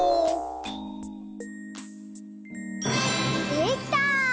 できた！